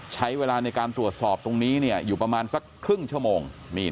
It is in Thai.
ใช้เวลาในการตรวจสอบตรงนี้อยู่ประมาณสักครึ่งชั่วโมง